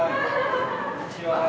こんにちは。